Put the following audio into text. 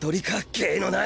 芸のない！